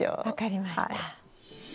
分かりました。